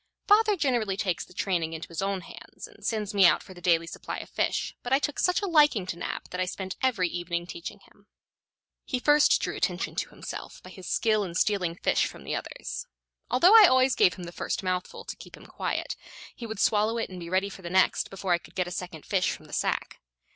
Father generally takes the training into his own hands and sends me out for the daily supply of fish; but I took such a liking to Nab that I spent every evening teaching him. He first drew attention to himself by his skill in stealing fish from the others. Although I always gave him the first mouthful, to keep him quiet, he would swallow it and be ready for the next before I could get a second fish from the sack.